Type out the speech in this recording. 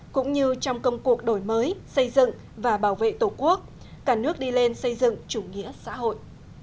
cũng như trong công cuộc đổi mới xây dựng và bảo vệ tổ quốc cả nước đi lên xây dựng chủ nghĩa xã hội